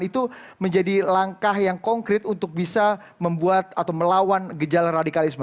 itu menjadi langkah yang konkret untuk bisa membuat atau melawan gejala radikalisme